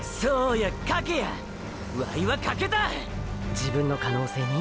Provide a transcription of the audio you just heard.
自分の可能性に？